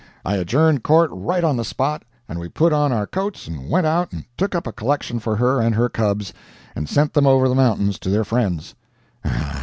I adjourned court right on the spot, and we put on our coats and went out and took up a collection for her and her cubs, and sent them over the mountains to their friends.